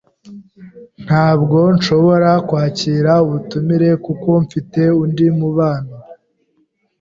Ntabwo nshobora kwakira ubutumire kuko mfite undi mubano.